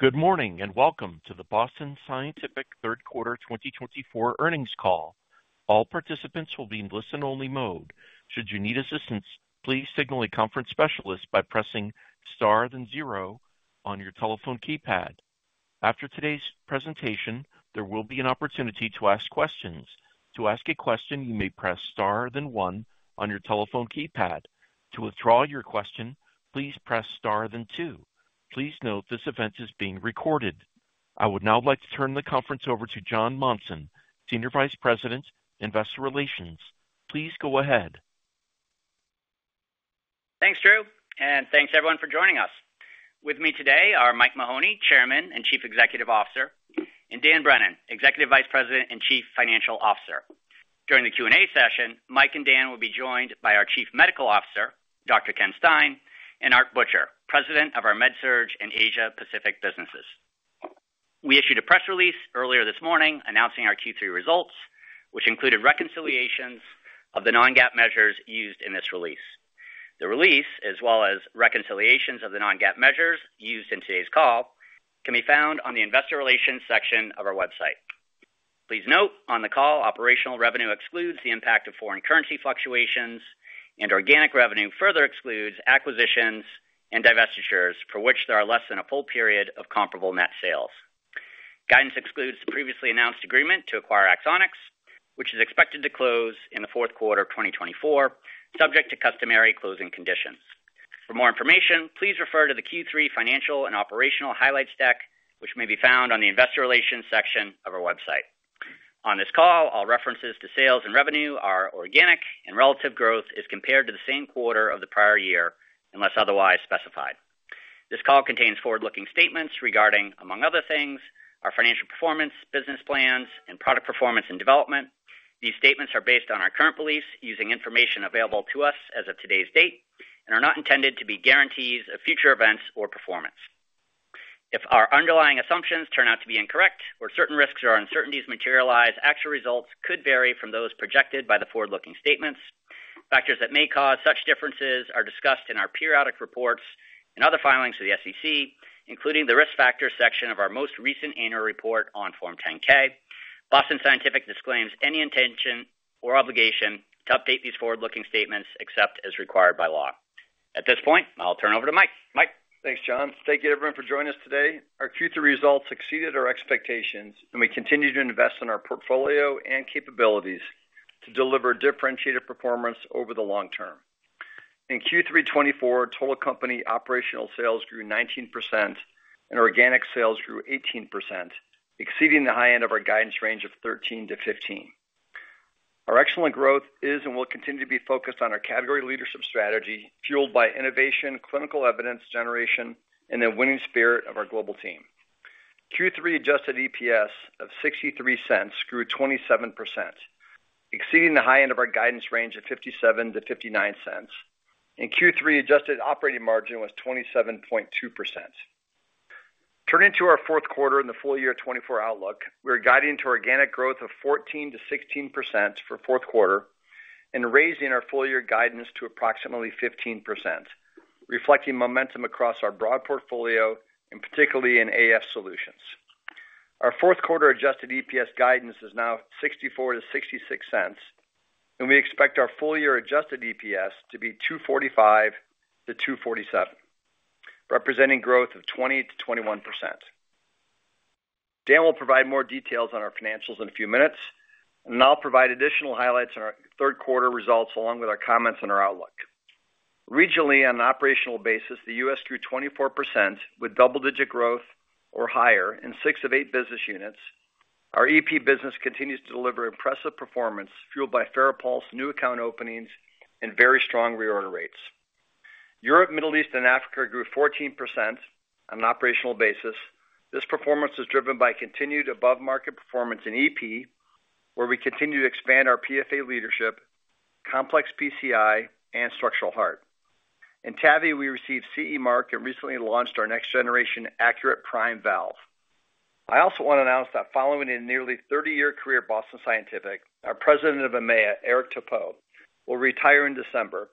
Good morning, and welcome to the Boston Scientific third quarter 2024 earnings call. All participants will be in listen-only mode. Should you need assistance, please signal a conference specialist by pressing star then zero on your telephone keypad. After today's presentation, there will be an opportunity to ask questions. To ask a question, you may press star then one on your telephone keypad. To withdraw your question, please press star then two. Please note, this event is being recorded. I would now like to turn the conference over to Jon Monson, Senior Vice President, Investor Relations. Please go ahead. Thanks, Drew, and thanks everyone for joining us. With me today are Mike Mahoney, Chairman and Chief Executive Officer, and Dan Brennan, Executive Vice President and Chief Financial Officer. During the Q&A session, Mike and Dan will be joined by our Chief Medical Officer, Dr. Ken Stein, and Art Butcher, President of our MedSurg and Asia Pacific businesses. We issued a press release earlier this morning announcing our Q3 results, which included reconciliations of the non-GAAP measures used in this release. The release, as well as reconciliations of the non-GAAP measures used in today's call, can be found on the Investor Relations section of our website. Please note, on the call, operational revenue excludes the impact of foreign currency fluctuations, and organic revenue further excludes acquisitions and divestitures for which there are less than a full period of comparable net sales. Guidance excludes the previously announced agreement to acquire Axonics, which is expected to close in the fourth quarter of 2024, subject to customary closing conditions. For more information, please refer to the Q3 Financial and Operational Highlights deck, which may be found on the Investor Relations section of our website. On this call, all references to sales and revenue are organic, and relative growth is compared to the same quarter of the prior year, unless otherwise specified. This call contains forward-looking statements regarding, among other things, our financial performance, business plans, and product performance and development. These statements are based on our current beliefs, using information available to us as of today's date, and are not intended to be guarantees of future events or performance. If our underlying assumptions turn out to be incorrect or certain risks or uncertainties materialize, actual results could vary from those projected by the forward-looking statements. Factors that may cause such differences are discussed in our periodic reports and other filings to the SEC, including the Risk Factors section of our most recent annual report on Form 10-K. Boston Scientific disclaims any intention or obligation to update these forward-looking statements except as required by law. At this point, I'll turn over to Mike. Mike? Thanks, Jon. Thank you, everyone, for joining us today. Our Q3 results exceeded our expectations, and we continue to invest in our portfolio and capabilities to deliver differentiated performance over the long term. In Q3 2024, total company operational sales grew 19%, and organic sales grew 18%, exceeding the high end of our guidance range of 13%-15%. Our excellent growth is and will continue to be focused on our category leadership strategy, fueled by innovation, clinical evidence generation, and the winning spirit of our global team. Q3 adjusted EPS of $0.63 grew 27%, exceeding the high end of our guidance range of $0.57-$0.59, and Q3 adjusted operating margin was 27.2%. Turning to our fourth quarter and the full year 2024 outlook, we're guiding to organic growth of 14%-16% for fourth quarter and raising our full year guidance to approximately 15%, reflecting momentum across our broad portfolio and particularly in AF Solutions. Our fourth quarter adjusted EPS guidance is now $0.64-$0.66, and we expect our full year adjusted EPS to be $2.45-$2.47, representing growth of 20%-21%. Dan will provide more details on our financials in a few minutes, and I'll provide additional highlights on our third quarter results, along with our comments on our outlook. Regionally, on an operational basis, the U.S. grew 24%, with double-digit growth or higher in 6 of 8 business units. Our EP business continues to deliver impressive performance, fueled by FARAPULSE new account openings and very strong reorder rates. Europe, Middle East, and Africa grew 14% on an operational basis. This performance was driven by continued above-market performance in EP, where we continue to expand our PFA leadership, complex PCI, and structural heart. In TAVI, we received CE Mark and recently launched our next-generation ACURATE Prime valve. I also want to announce that following a nearly 30-year career at Boston Scientific, our President of EMEA, Eric Thepaut, will retire in December,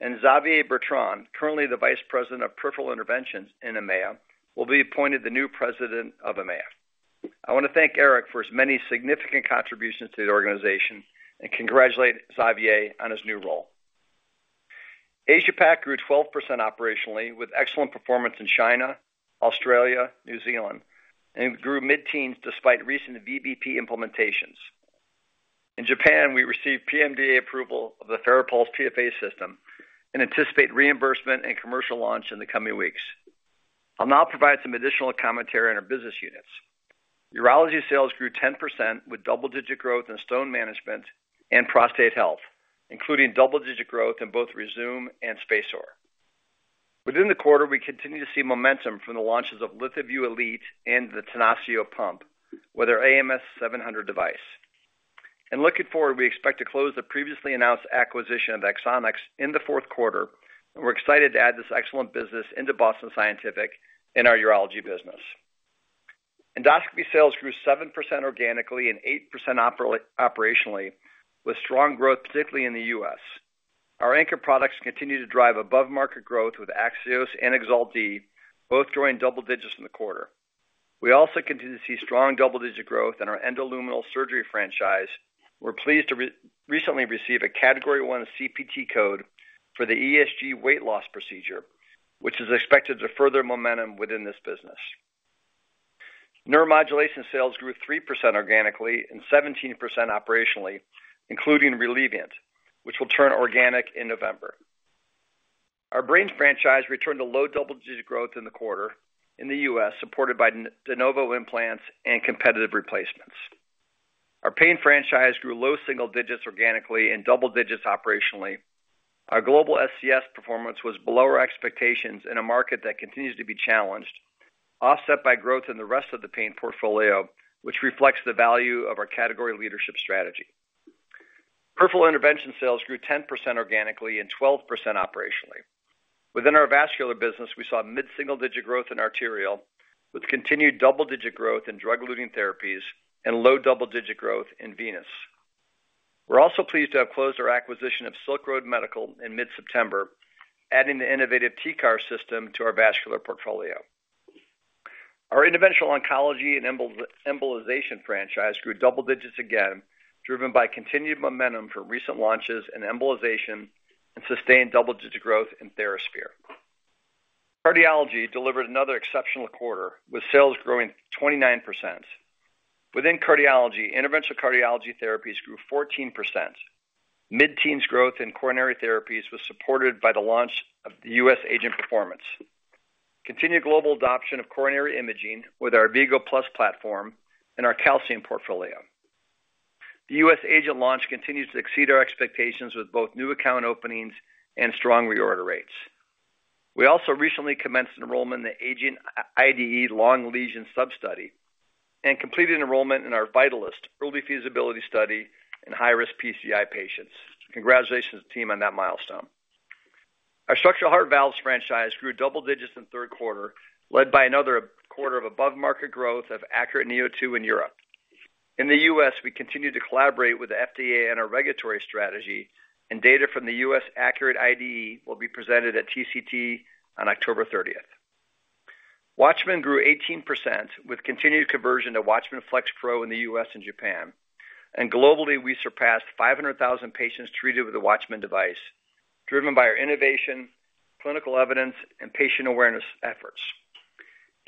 and Xavier Bertrand, currently the Vice President of Peripheral Interventions in EMEA, will be appointed the new President of EMEA. I want to thank Eric for his many significant contributions to the organization and congratulate Xavier on his new role. Asia Pac grew 12% operationally, with excellent performance in China, Australia, New Zealand, and grew mid-teens despite recent VBP implementations. In Japan, we received PMDA approval of the FARAPULSE PFA system and anticipate reimbursement and commercial launch in the coming weeks. I'll now provide some additional commentary on our business units. Urology sales grew 10%, with double-digit growth in stone management and prostate health, including double-digit growth in both Rezūm and SpaceOAR. Within the quarter, we continue to see momentum from the launches of LithoVue Elite and the Tenacio pump with our AMS 700 device. And looking forward, we expect to close the previously announced acquisition of Axonics in the fourth quarter, and we're excited to add this excellent business into Boston Scientific in our urology business. Endoscopy sales grew 7% organically and 8% operationally, with strong growth, particularly in the U.S. Our anchor products continue to drive above-market growth, with AXIOS and EXALT D both growing double digits in the quarter. We also continue to see strong double-digit growth in our endoluminal surgery franchise. We're pleased to recently receive a Category I CPT code for the ESG weight loss procedure, which is expected to further momentum within this business. Neuromodulation sales grew 3% organically and 17% operationally, including Relievant, which will turn organic in November. Our Brain franchise returned to low double-digit growth in the quarter in the U.S., supported by de novo implants and competitive replacements. Our Pain franchise grew low single digits organically and double digits operationally. Our global SCS performance was below our expectations in a market that continues to be challenged, offset by growth in the rest of the pain portfolio, which reflects the value of our category leadership strategy. Peripheral intervention sales grew 10% organically and 12% operationally. Within our vascular business, we saw mid-single-digit growth in arterial, with continued double-digit growth in drug-eluting therapies and low double-digit growth in venous. We're also pleased to have closed our acquisition of Silk Road Medical in mid-September, adding the innovative TCAR system to our vascular portfolio. Our Interventional Oncology and embolization franchise grew double digits again, driven by continued momentum from recent launches and embolization and sustained double-digit growth in TheraSphere. Cardiology delivered another exceptional quarter, with sales growing 29%. Within cardiology, interventional cardiology therapies grew 14%. Mid-teens growth in coronary therapies was supported by the launch of the U.S. AGENT performance. Continued global adoption of coronary imaging with our AVVIGO+ platform and our calcium portfolio. The U.S. AGENT launch continues to exceed our expectations with both new account openings and strong reorder rates. We also recently commenced enrollment in the AGENT IDE long lesion sub study and completed enrollment in our VITALIS early feasibility study in high-risk PCI patients. Congratulations, team, on that milestone. Our structural heart valves franchise grew double digits in the third quarter, led by another quarter of above-market growth of ACURATE neo2 in Europe. In the U.S., we continued to collaborate with the FDA on our regulatory strategy, and data from the U.S. ACURATE IDE will be presented at TCT on October 30th. WATCHMAN grew 18%, with continued conversion to WATCHMAN FLX Pro in the U.S. and Japan, and globally, we surpassed 500,000 patients treated with a WATCHMAN device, driven by our innovation, clinical evidence, and patient awareness efforts.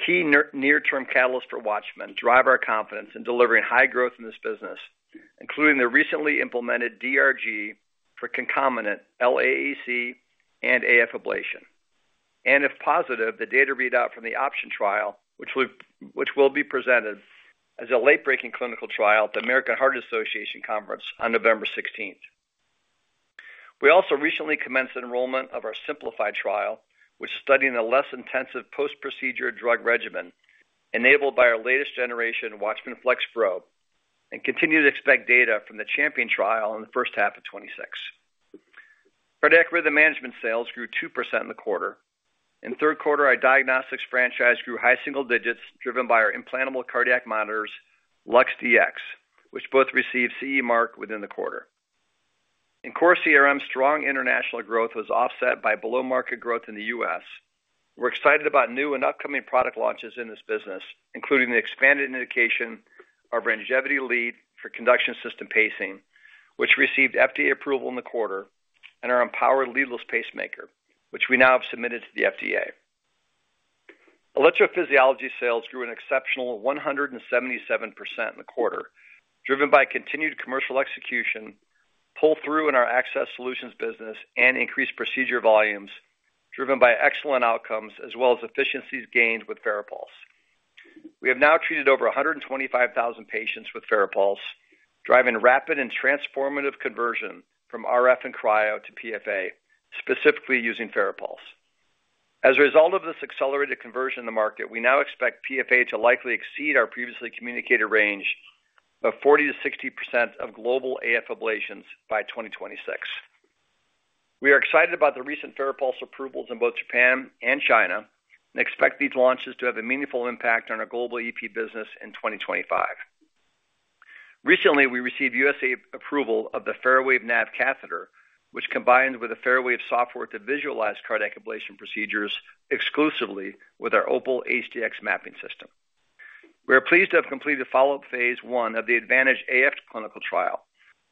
Key near-term catalysts for WATCHMAN drive our confidence in delivering high growth in this business, including the recently implemented DRG for concomitant LAAC and AF ablation. If positive, the data readout from the OPTION trial, which will be presented as a late-breaking clinical trial at the American Heart Association Conference on November 16th. We also recently commenced enrollment of our SIMPLIFIED trial, which is studying a less intensive post-procedure drug regimen enabled by our latest generation, WATCHMAN FLX Pro, and continue to expect data from the CHAMPION trial in the first half of 2026. Cardiac rhythm management sales grew 2% in the quarter. In the third quarter, our diagnostics franchise grew high single digits, driven by our implantable cardiac monitors, LUX-Dx, which both received CE Mark within the quarter. In core CRM, strong international growth was offset by below-market growth in the U.S. We're excited about new and upcoming product launches in this business, including the expanded indication, our INGEVITY+ lead for conduction system pacing, which received FDA approval in the quarter, and our EMPOWER leadless pacemaker, which we now have submitted to the FDA. Electrophysiology sales grew an exceptional 177% in the quarter, driven by continued commercial execution, pull-through in our access solutions business, and increased procedure volumes, driven by excellent outcomes as well as efficiencies gained with FARAPULSE. We have now treated over 125,000 patients with FARAPULSE, driving rapid and transformative conversion from RF and cryo to PFA, specifically using FARAPULSE. As a result of this accelerated conversion in the market, we now expect PFA to likely exceed our previously communicated range of 40%-60% of global AF ablations by 2026. We are excited about the recent FARAPULSE approvals in both Japan and China, and expect these launches to have a meaningful impact on our global EP business in 2025. Recently, we received U.S. approval of the FARAWAVE NAV catheter, which combined with FARAVIEW software to visualize cardiac ablation procedures exclusively with our Opal HDx mapping system. We are pleased to have completed the follow-up phase I of the ADVANTAGE AF clinical trial,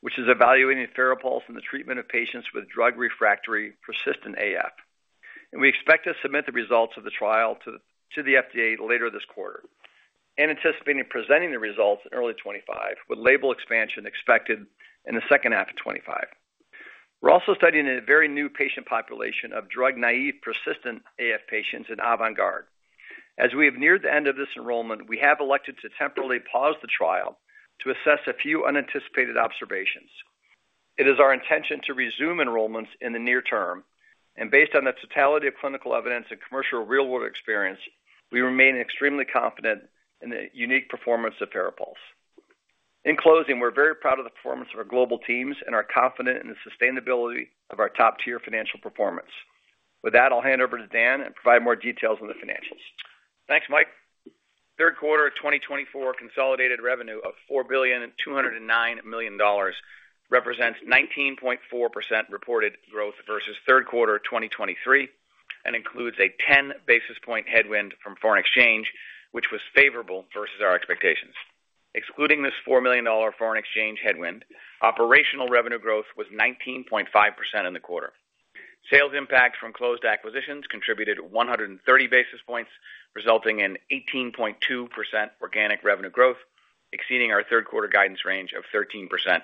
which is evaluating FARAPULSE in the treatment of patients with drug-refractory persistent AF, and we expect to submit the results of the trial to the FDA later this quarter, and anticipating presenting the results in early 2025, with label expansion expected in the second half of2025. We're also studying a very new patient population of drug-naive, persistent AF patients in AVANT GUARD. As we have neared the end of this enrollment, we have elected to temporarily pause the trial to assess a few unanticipated observations. It is our intention to resume enrollments in the near term, and based on the totality of clinical evidence and commercial real-world experience, we remain extremely confident in the unique performance of FARAPULSE.... In closing, we're very proud of the performance of our global teams and are confident in the sustainability of our top-tier financial performance. With that, I'll hand over to Dan and provide more details on the financials. Thanks, Mike. Third quarter of 2024 consolidated revenue of $4.209 billion represents 19.4% reported growth versus third quarter 2023, and includes a 10 basis point headwind from foreign exchange, which was favorable versus our expectations. Excluding this $4 million foreign exchange headwind, operational revenue growth was 19.5% in the quarter. Sales impact from closed acquisitions contributed 130 basis points, resulting in 18.2% organic revenue growth, exceeding our third quarter guidance range of 13%-15%.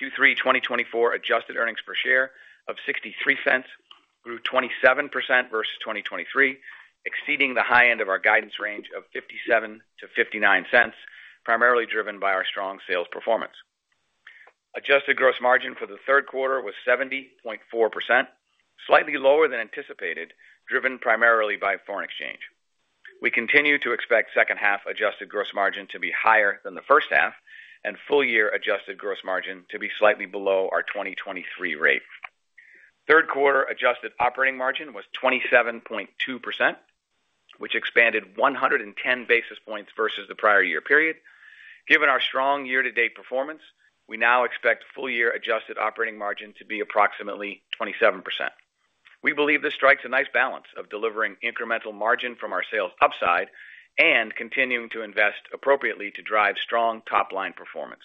Q3 2024 adjusted earnings per share of $0.63 grew 27% versus 2023, exceeding the high end of our guidance range of $0.57-$0.59, primarily driven by our strong sales performance. Adjusted gross margin for the third quarter was 70.4%, slightly lower than anticipated, driven primarily by foreign exchange. We continue to expect second half adjusted gross margin to be higher than the first half, and full year adjusted gross margin to be slightly below our 2023 rate. Third quarter adjusted operating margin was 27.2%, which expanded 110 basis points versus the prior year period. Given our strong year-to-date performance, we now expect full year adjusted operating margin to be approximately 27%. We believe this strikes a nice balance of delivering incremental margin from our sales upside and continuing to invest appropriately to drive strong top-line performance.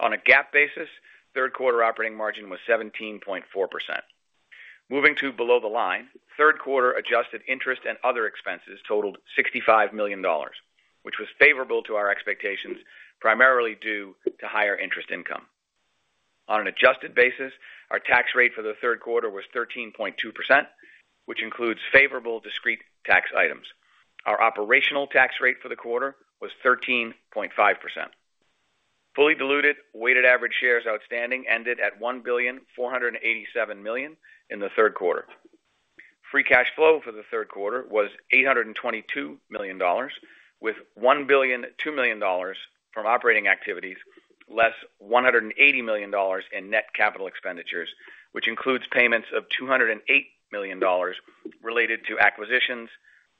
On a GAAP basis, third quarter operating margin was 17.4%. Moving to below the line, third quarter adjusted interest and other expenses totaled $65 million, which was favorable to our expectations, primarily due to higher interest income. On an adjusted basis, our tax rate for the third quarter was 13.2%, which includes favorable discrete tax items. Our operational tax rate for the quarter was 13.5%. Fully diluted, weighted average shares outstanding ended at 1.487 billion in the third quarter. Free cash flow for the third quarter was $822 million, with $1.002 billion from operating activities, less $180 million in net capital expenditures, which includes payments of $208 million related to acquisitions,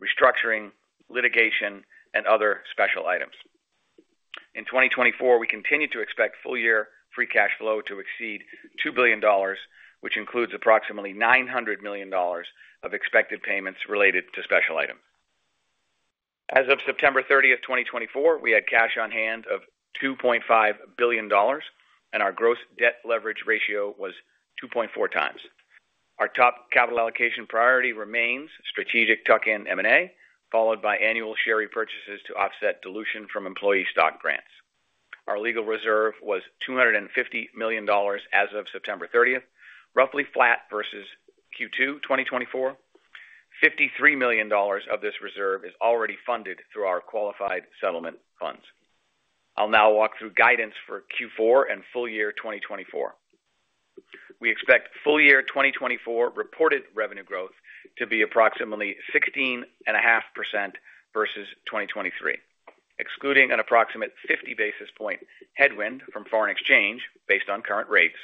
restructuring, litigation, and other special items. In 2024, we continue to expect full year free cash flow to exceed $2 billion, which includes approximately $900 million of expected payments related to special items. As of September 30th, 2024, we had cash on hand of $2.5 billion, and our gross debt leverage ratio was 2.4x. Our top capital allocation priority remains strategic tuck-in M&A, followed by annual share repurchases to offset dilution from employee stock grants. Our legal reserve was $250 million as of September 30th, roughly flat versus Q2 2024. $53 million of this reserve is already funded through our qualified settlement funds. I'll now walk through guidance for Q4 and full year 2024. We expect full year 2024 reported revenue growth to be approximately 16.5% versus 2023. Excluding an approximate 50 basis point headwind from foreign exchange based on current rates,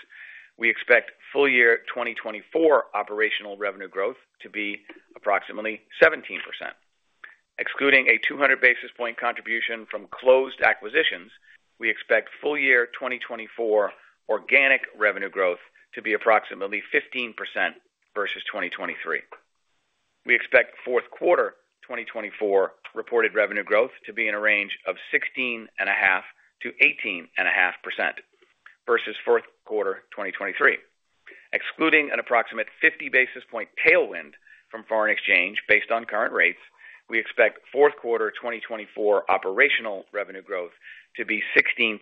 we expect full-year 2024 operational revenue growth to be approximately 17%. Excluding a 200 basis point contribution from closed acquisitions, we expect full-year 2024 organic revenue growth to be approximately 15% versus 2023. We expect fourth-quarter 2024 reported revenue growth to be in a range of 16.5%-18.5% versus fourth quarter 2023. Excluding an approximate 50 basis point tailwind from foreign exchange based on current rates, we expect fourth-quarter 2024 operational revenue growth to be 16%-18%,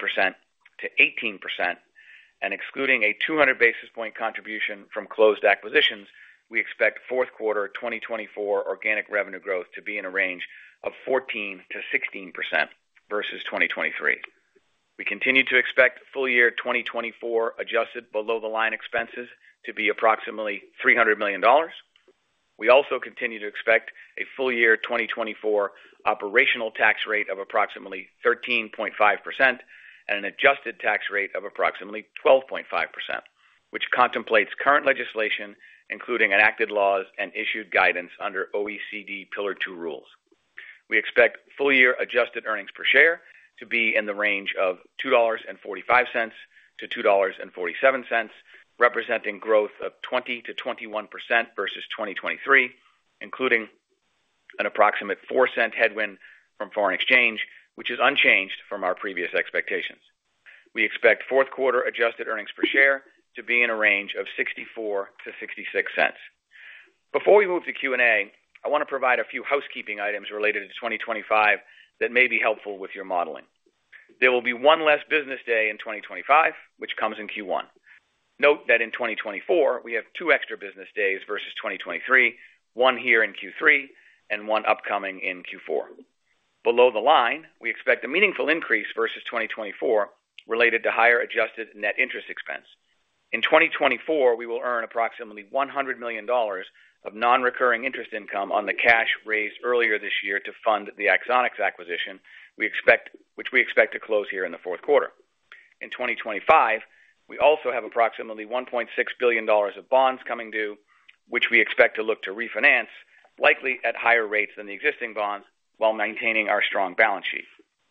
and excluding a 200 basis point contribution from closed acquisitions, we expect fourth-quarter 2024 organic revenue growth to be in a range of 14%-16% versus 2023. We continue to expect full year 2024 adjusted below-the-line expenses to be approximately $300 million. We also continue to expect a full year 2024 operational tax rate of approximately 13.5% and an adjusted tax rate of approximately 12.5%, which contemplates current legislation, including enacted laws and issued guidance under OECD Pillar Two rules. We expect full year adjusted earnings per share to be in the range of $2.45-$2.47, representing growth of 20%-21% versus 2023, including an approximate $0.04 headwind from foreign exchange, which is unchanged from our previous expectations. We expect fourth quarter adjusted earnings per share to be in a range of $0.64-$0.66. Before we move to Q&A, I want to provide a few housekeeping items related to 2025 that may be helpful with your modeling. There will be one less business day in 2025, which comes in Q1. Note that in 2024, we have two extra business days versus 2023, one here in Q3 and one upcoming in Q4. Below the line, we expect a meaningful increase versus 2024 related to higher adjusted net interest expense. In 2024, we will earn approximately $100 million of non-recurring interest income on the cash raised earlier this year to fund the Axonics acquisition, which we expect to close here in the fourth quarter. In 2025, we also have approximately $1.6 billion of bonds coming due, which we expect to look to refinance, likely at higher rates than the existing bonds, while maintaining our strong balance sheet.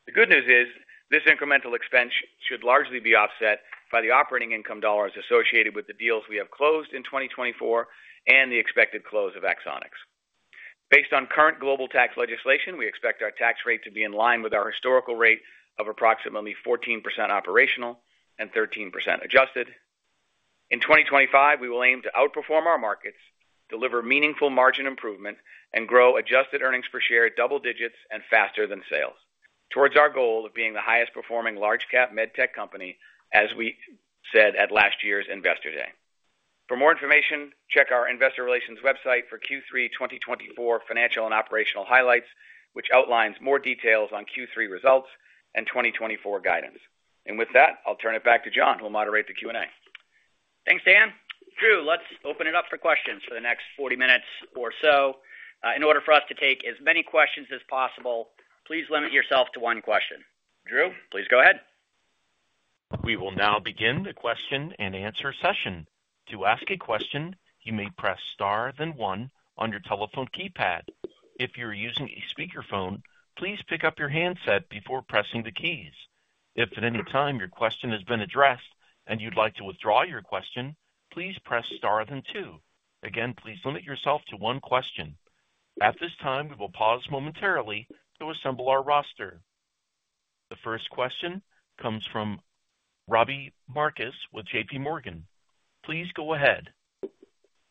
The good news is, this incremental expense should largely be offset by the operating income dollars associated with the deals we have closed in 2024 and the expected close of Axonics. Based on current global tax legislation, we expect our tax rate to be in line with our historical rate of approximately 14% operational and 13% adjusted. In 2025, we will aim to outperform our markets, deliver meaningful margin improvement, and grow adjusted earnings per share at double digits and faster than sales, towards our goal of being the highest performing large cap med tech company, as we said at last year's Investor Day. For more information, check our investor relations website for Q3 2024 financial and operational highlights, which outlines more details on Q3 results and 2024 guidance. And with that, I'll turn it back to Jon, who will moderate the Q&A. Thanks, Dan. Drew, let's open it up for questions for the next forty minutes or so. In order for us to take as many questions as possible, please limit yourself to one question. Drew, please go ahead. We will now begin the question and answer session. To ask a question, you may press star then one on your telephone keypad. If you're using a speakerphone, please pick up your handset before pressing the keys. If at any time your question has been addressed and you'd like to withdraw your question, please press star then two. Again, please limit yourself to one question. At this time, we will pause momentarily to assemble our roster. The first question comes from Robbie Marcus with JP Morgan. Please go ahead.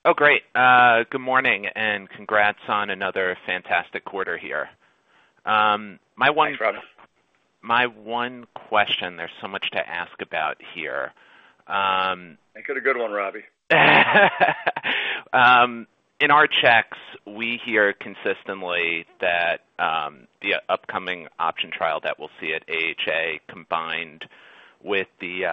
Oh, great. Good morning, and congrats on another fantastic quarter here. My one- Thanks, Robbie. My one question, there's so much to ask about here, Make it a good one, Robbie. In our checks, we hear consistently that the upcoming OPTION trial that we'll see at AHA, combined with the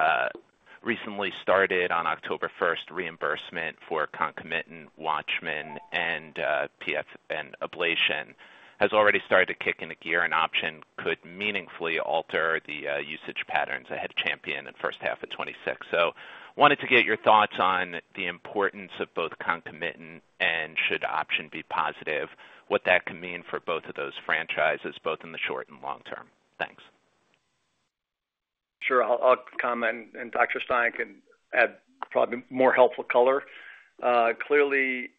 recently started on October 1st, reimbursement for concomitant WATCHMAN and PFA and ablation, has already started to kick into gear, and OPTION could meaningfully alter the usage patterns ahead of CHAMPION in first half of 2026. So wanted to get your thoughts on the importance of both concomitant, and should OPTION be positive, what that could mean for both of those franchises, both in the short and long term. Thanks. Sure. I'll comment, and Dr. Stein can add probably more helpful color. Clearly,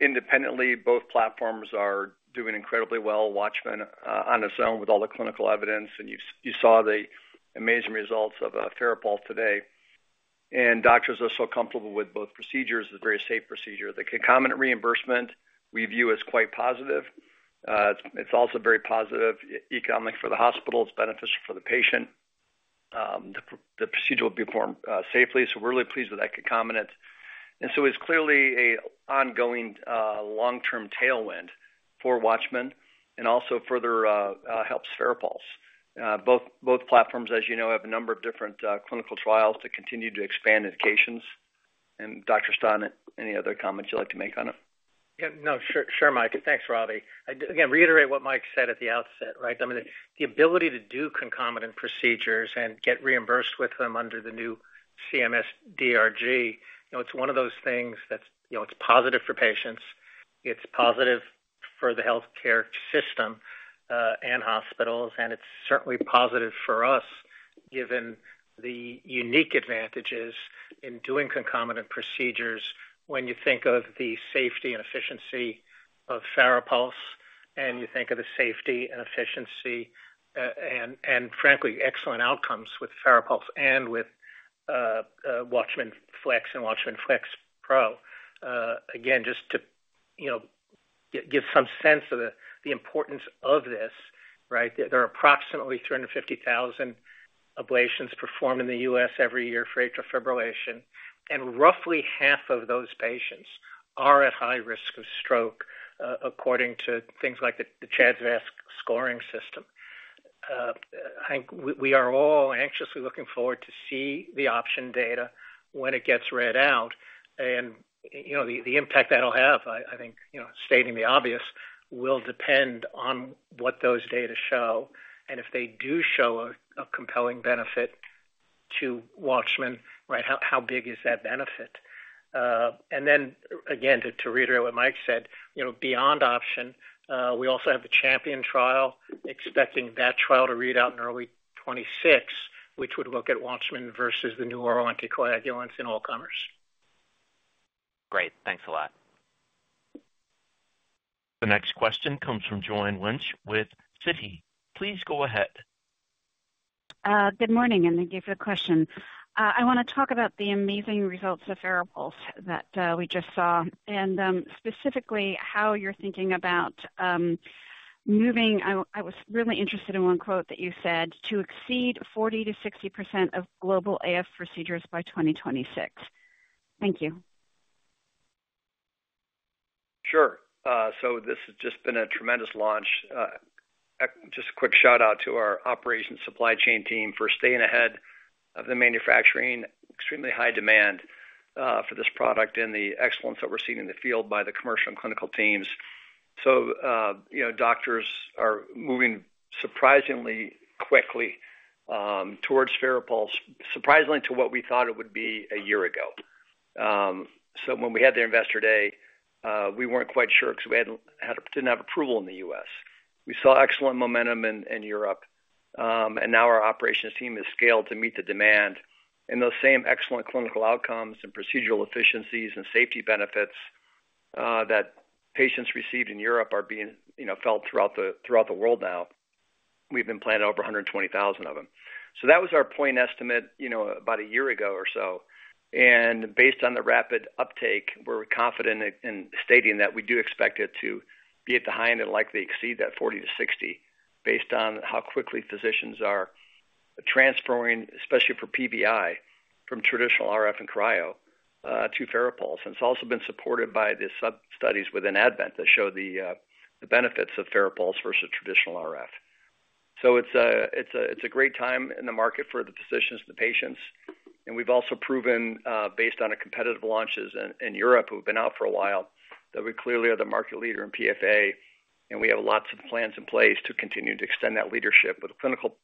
independently, both platforms are doing incredibly well. WATCHMAN, on its own, with all the clinical evidence, and you saw the amazing results of FARAPULSE today. And doctors are so comfortable with both procedures. It's a very safe procedure. The concomitant reimbursement we view as quite positive. It's also very positive economically for the hospital. It's beneficial for the patient. The procedure will be performed safely, so we're really pleased with that concomitant. And so it's clearly an ongoing long-term tailwind for WATCHMAN and also further helps FARAPULSE. Both platforms, as you know, have a number of different clinical trials to continue to expand indications. And Dr. Stein, any other comments you'd like to make on it? Yeah. No, sure, Mike. Thanks, Robbie. Again, reiterate what Mike said at the outset, right? I mean, the ability to do concomitant procedures and get reimbursed with them under the new CMS DRG, you know, it's one of those things that's, you know, it's positive for patients, it's positive for the healthcare system, and hospitals, and it's certainly positive for us, given the unique advantages in doing concomitant procedures when you think of the safety and efficiency of FARAPULSE, and frankly, excellent outcomes with FARAPULSE and with WATCHMAN FLX and WATCHMAN FLX Pro. Again, just to, you know, give some sense of the importance of this, right? There are approximately 350,000 ablations performed in the U.S. every year for atrial fibrillation, and roughly half of those patients are at high risk of stroke, according to things like the CHADS-VASc scoring system. I think we are all anxiously looking forward to see the OPTION data when it gets read out, and, you know, the impact that'll have, I think, you know, stating the obvious, will depend on what those data show, and if they do show a compelling benefit to WATCHMAN, right, how big is that benefit? Then again, to reiterate what Mike said, you know, beyond OPTION, we also have the CHAMPION trial, expecting that trial to read out in early 2026, which would look at WATCHMAN versus the new oral anticoagulants in all comers. Great. Thanks a lot. The next question comes from Joanne Wuensch with Citi. Please go ahead. Good morning, and thank you for the question. I want to talk about the amazing results of FARAPULSE that we just saw, and specifically how you're thinking about moving... I was really interested in one quote that you said, "To exceed 40%-60% of global AF procedures by 2026." Thank you. So this has just been a tremendous launch. Just a quick shout-out to our operations supply chain team for staying ahead of the manufacturing, extremely high demand, for this product and the excellence that we're seeing in the field by the commercial and clinical teams. So, you know, doctors are moving surprisingly quickly towards FARAPULSE, surprisingly to what we thought it would be a year ago. So when we had the Investor Day, we weren't quite sure because we didn't have approval in the U.S. We saw excellent momentum in Europe, and now our operations team is scaled to meet the demand and those same excellent clinical outcomes and procedural efficiencies and safety benefits that patients received in Europe are being, you know, felt throughout the world now. We've been planning over 120,000 of them. So that was our point estimate, you know, about a year ago or so. And based on the rapid uptake, we're confident in stating that we do expect it to be at the high end and likely exceed that forty to sixty, based on how quickly physicians are transferring, especially for PVI, from traditional RF and cryo to FARAPULSE. It's also been supported by the sub studies within ADVENT that show the benefits of FARAPULSE versus traditional RF. So it's a great time in the market for the physicians and the patients, and we've also proven based on competitive launches in Europe who've been out for a while, that we clearly are the market leader in PFA, and we have lots of plans in place to continue to extend that leadership with clinical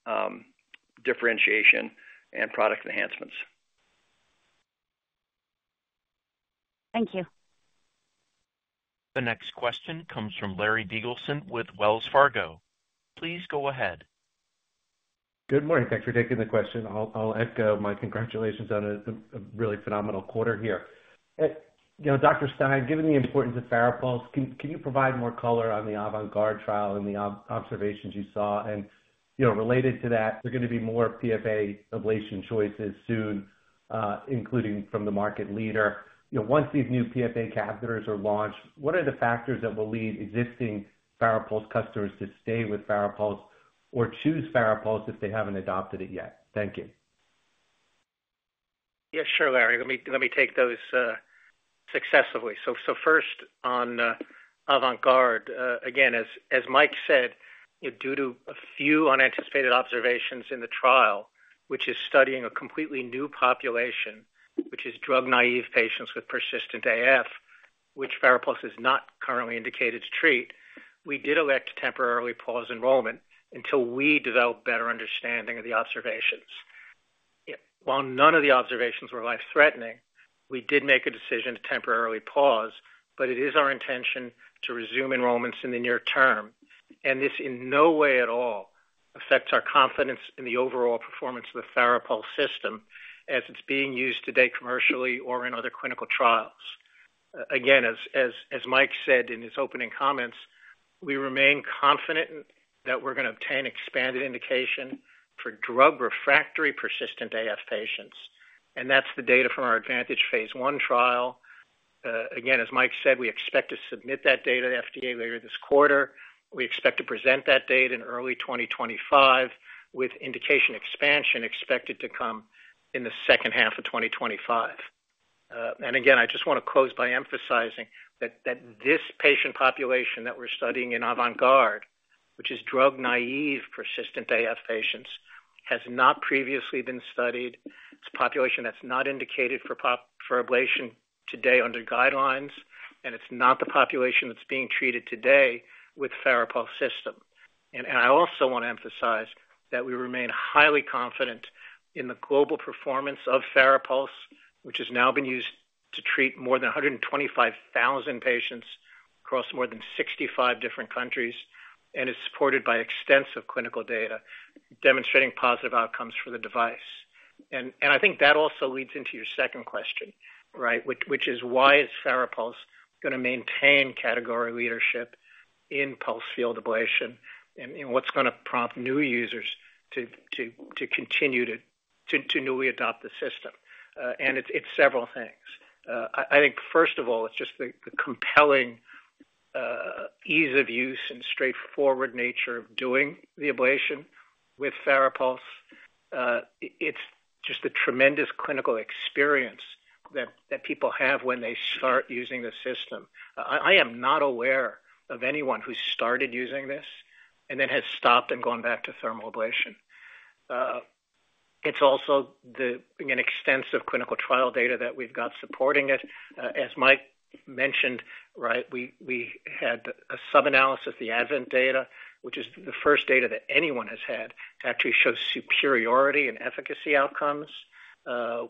differentiation and product enhancements. Thank you. The next question comes from Larry Biegelsen with Wells Fargo. Please go ahead. Good morning. Thanks for taking the question. I'll echo my congratulations on a really phenomenal quarter here. You know, Dr. Stein, given the importance of FARAPULSE, can you provide more color on the AVANT GUARD trial and the observations you saw? And, you know, related to that, there are going to be more PFA ablation choices soon, including from the market leader. You know, once these new PFA catheters are launched, what are the factors that will lead existing FARAPULSE customers to stay with FARAPULSE or choose FARAPULSE if they haven't adopted it yet? Thank you. Yes, sure, Larry. Let me take those successively. So first on AVANT GUARD. Again, as Mike said, due to a few unanticipated observations in the trial, which is studying a completely new population, which is drug-naive patients with persistent AF, which FARAPULSE is not currently indicated to treat, we did elect to temporarily pause enrollment until we develop better understanding of the observations. While none of the observations were life-threatening, we did make a decision to temporarily pause, but it is our intention to resume enrollments in the near term, and this in no way at all affects our confidence in the overall performance of the FARAPULSE system as it's being used today, commercially or in other clinical trials. Again, as Mike said in his opening comments, we remain confident that we're gonna obtain expanded indication for drug refractory persistent AF patients, and that's the data from our ADVANTAGE phase one trial. Again, as Mike said, we expect to submit that data to FDA later this quarter. We expect to present that data in early 2025, with indication expansion expected to come in the second half of 2025. And again, I just want to close by emphasizing that this patient population that we're studying in AVANT GUARD, which is drug-naive, persistent AF patients, has not previously been studied. It's a population that's not indicated for PVI ablation today under guidelines, and it's not the population that's being treated today with FARAPULSE system. I also want to emphasize that we remain highly confident in the global performance of FARAPULSE, which has now been used to treat more than 125,000 patients across more than 65 different countries, and is supported by extensive clinical data, demonstrating positive outcomes for the device. I think that also leads into your second question, right? Which is why is FARAPULSE going to maintain category leadership in pulsed field ablation, and what's going to prompt new users to continue to newly adopt the system? It's several things. I think first of all, it's just the compelling ease of use and straightforward nature of doing the ablation with FARAPULSE. It's just a tremendous clinical experience that people have when they start using the system. I am not aware of anyone who started using this and then has stopped and gone back to thermal ablation. It's also an extensive clinical trial data that we've got supporting it. As Mike mentioned, right, we had a sub-analysis, the ADVENT data, which is the first data that anyone has had to actually show superiority and efficacy outcomes,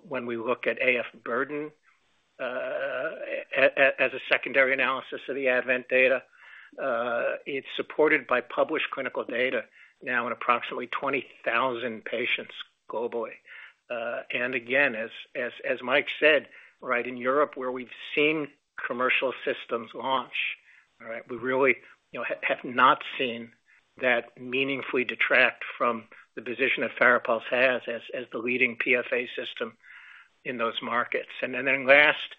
when we look at AF burden, as a secondary analysis of the ADVENT data. It's supported by published clinical data now in approximately 20,000 patients globally. And again, as Mike said, right, in Europe, where we've seen commercial systems launch, all right, we really, you know, have not seen that meaningfully detract from the position that FARAPULSE has as the leading PFA system.... in those markets, and then last,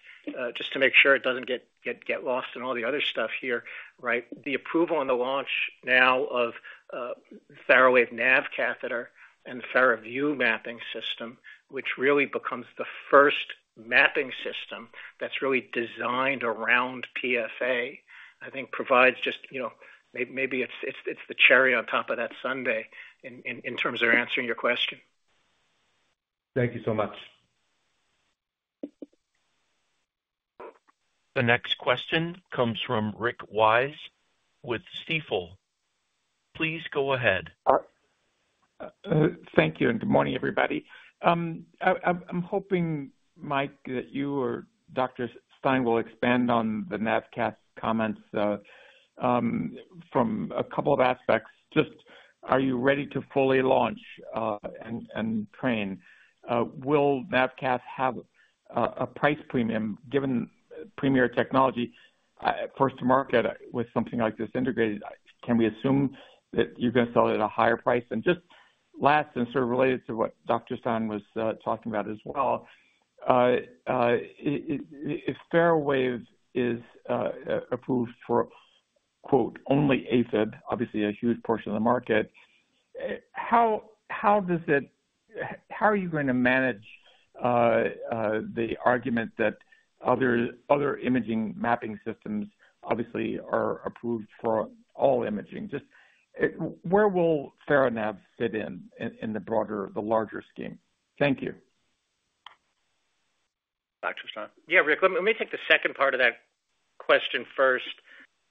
just to make sure it doesn't get lost in all the other stuff here, right? The approval on the launch now of FARAWAVE NAV catheter and FARAVIEW mapping system, which really becomes the first mapping system that's really designed around PFA, I think provides just, you know, maybe it's the cherry on top of that sundae in terms of answering your question. Thank you so much. The next question comes from Rick Wise with Stifel. Please go ahead. Thank you, and good morning, everybody. I'm hoping, Mike, that you or Dr. Stein will expand on the NAV cath comments from a couple of aspects. Just are you ready to fully launch and train? Will NAV cath have a price premium given premier technology, first to market with something like this integrated? Can we assume that you're going to sell it at a higher price? And just last, and sort of related to what Dr. Stein was talking about as well. If FARAWAVE is approved for "only AFib," obviously a huge portion of the market, how does it... How are you going to manage the argument that other imaging mapping systems obviously are approved for all imaging? Just, where will Farawave NAV fit in the broader, the larger scheme? Thank you. Yeah, Rick, let me take the second part of that question first,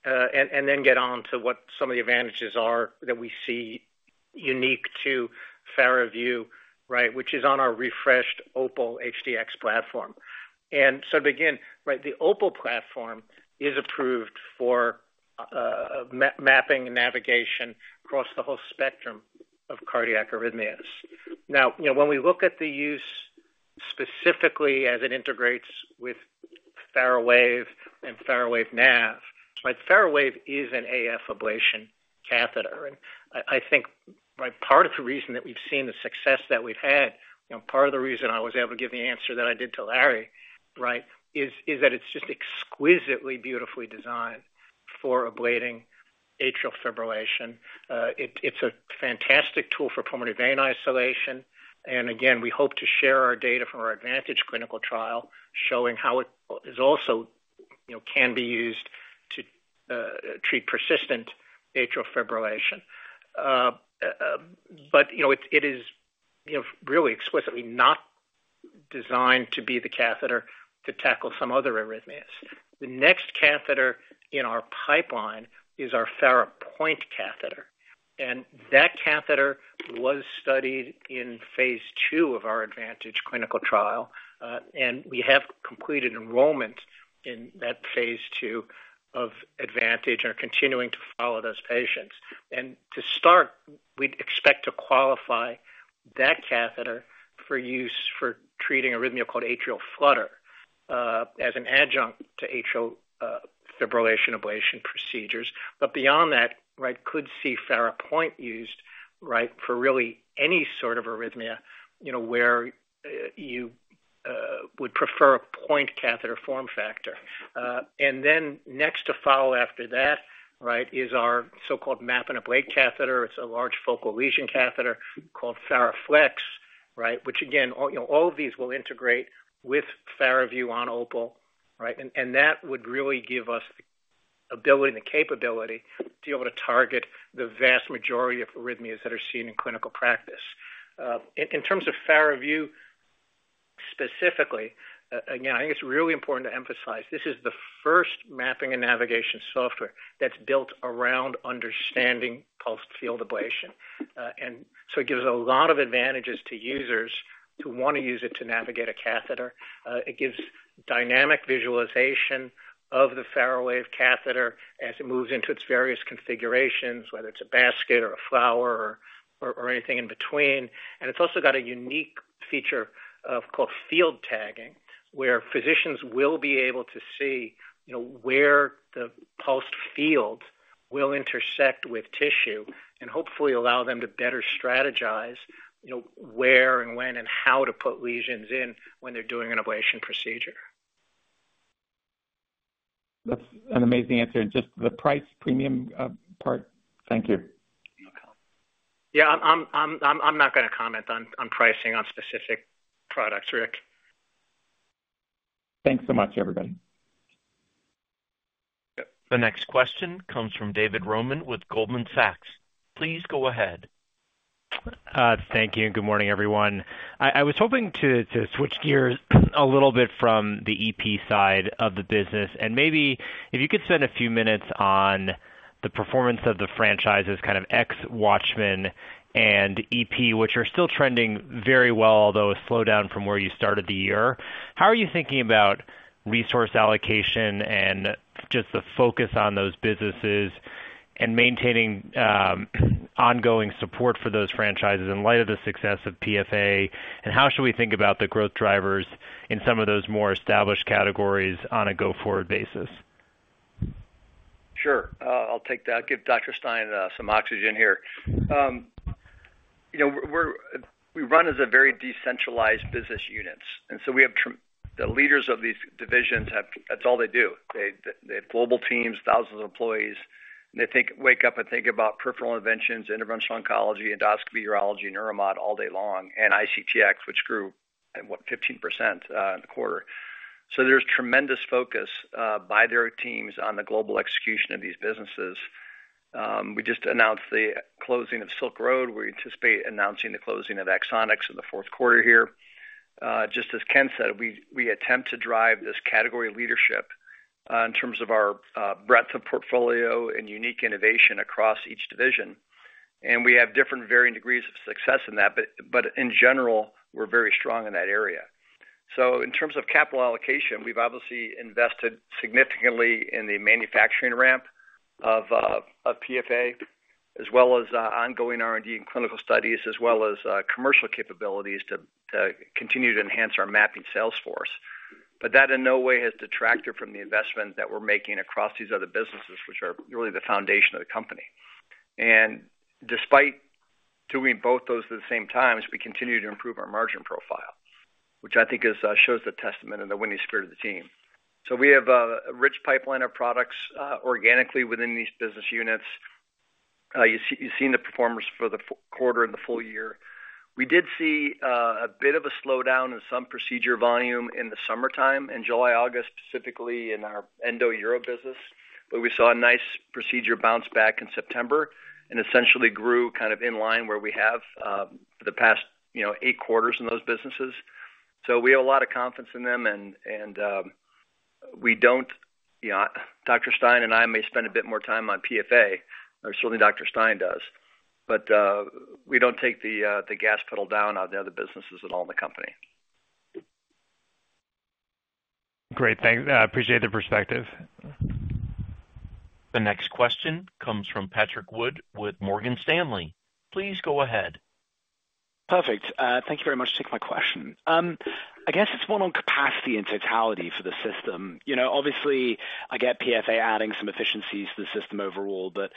and then get on to what some of the advantages are that we see unique to FARAVIEW, right, which is on our refreshed Opal HDx platform. And so to begin, right, the Opal platform is approved for mapping and navigation across the whole spectrum of cardiac arrhythmias. Now, you know, when we look at the use specifically as it integrates with FARAWAVE and FARAWAVE NAV, right, FARAWAVE is an AF ablation catheter. I think, right, part of the reason that we've seen the success that we've had, you know, part of the reason I was able to give the answer that I did to Larry, right, is that it's just exquisitely beautifully designed for ablating atrial fibrillation. It, it's a fantastic tool for pulmonary vein isolation. Again, we hope to share our data from our Advantage clinical trial, showing how it is also, you know, can be used to treat persistent atrial fibrillation. But, you know, it is, you know, really explicitly not designed to be the catheter to tackle some other arrhythmias. The next catheter in our pipeline is our FARAPOINT catheter, and that catheter was studied in phase II of our Advantage clinical trial, and we have completed enrollment in that phase II of Advantage and are continuing to follow those patients. To start, we'd expect to qualify that catheter for use for treating arrhythmia called atrial flutter, as an adjunct to atrial fibrillation ablation procedures. But beyond that, right, could see FARAPOINT used, right, for really any sort of arrhythmia, you know, where you would prefer a point catheter form factor. And then next to follow after that, right, is our so-called map and ablate catheter. It's a large focal lesion catheter called FARAFLEX, right? Which again, you know, all of these will integrate with FARAVIEW on Opal, right? And that would really give us the ability and the capability to be able to target the vast majority of arrhythmias that are seen in clinical practice. In terms of FARAVIEW specifically, again, I think it's really important to emphasize this is the first mapping and navigation software that's built around understanding pulsed field ablation. And so it gives a lot of advantages to users who want to use it to navigate a catheter. It gives dynamic visualization of the FARAWAVE catheter as it moves into its various configurations, whether it's a basket or a flower or anything in between. It's also got a unique feature called field tagging, where physicians will be able to see, you know, where the pulsed field will intersect with tissue and hopefully allow them to better strategize, you know, where and when and how to put lesions in when they're doing an ablation procedure. That's an amazing answer. Just the price premium, part. Thank you. You're welcome. Yeah, I'm not going to comment on pricing on specific products, Rick. Thanks so much, everybody. The next question comes from David Roman with Goldman Sachs. Please go ahead. Thank you, and good morning, everyone. I was hoping to switch gears a little bit from the EP side of the business, and maybe if you could spend a few minutes on the performance of the franchises, kind of ex Watchman and EP, which are still trending very well, although a slowdown from where you started the year. How are you thinking about resource allocation and just the focus on those businesses and maintaining ongoing support for those franchises in light of the success of PFA? And how should we think about the growth drivers in some of those more established categories on a go-forward basis? Sure, I'll take that. Give Dr. Stein some oxygen here. You know, we're, we run as a very decentralized business units, and so we have the leaders of these divisions have... That's all they do. They, they have global teams, thousands of employees, and they think, wake up and think about peripheral interventions, Interventional Oncology, endoscopy, urology, neuromod all day long, and ICTX, which grew at 15% in the quarter. So there's tremendous focus by their teams on the global execution of these businesses. We just announced the closing of Silk Road. We anticipate announcing the closing of Axonics in the fourth quarter here. Just as Ken said, we, we attempt to drive this category leadership in terms of our breadth of portfolio and unique innovation across each division. We have different varying degrees of success in that, but in general, we're very strong in that area. In terms of capital allocation, we've obviously invested significantly in the manufacturing ramp of PFA, as well as ongoing R&D and clinical studies, as well as commercial capabilities to continue to enhance our mapping sales force. But that in no way has detracted from the investment that we're making across these other businesses, which are really the foundation of the company. Despite doing both those at the same time, as we continue to improve our margin profile, which I think shows the testament and the winning spirit of the team. We have a rich pipeline of products organically within these business units. You've seen the performance for the quarter and the full year. We did see a bit of a slowdown in some procedure volume in the summertime, in July, August, specifically in our Endo Europe business, but we saw a nice procedure bounce back in September and essentially grew kind of in line where we have for the past, you know, eight quarters in those businesses. So we have a lot of confidence in them, and we don't, you know, Dr. Stein and I may spend a bit more time on PFA, or certainly Dr. Stein does, but we don't take the gas pedal down on the other businesses at all in the company. Great, thanks. I appreciate the perspective. The next question comes from Patrick Wood with Morgan Stanley. Please go ahead. Perfect. Thank you very much for taking my question. I guess it's more on capacity and totality for the system. You know, obviously, I get PFA adding some efficiencies to the system overall, but,